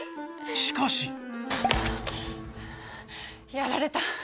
しかしやられた。